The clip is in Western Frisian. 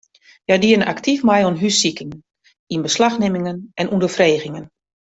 Hja diene aktyf mei oan hússikingen, ynbeslachnimmingen en ûnderfregingen.